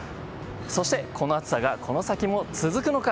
そしてこの暑さがこの先も続くのか。